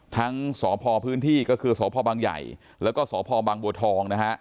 ทั้งสพพื้นที่ก็คือสพบังใหญ่แล้วก็สพบังบัวทองนะฮะ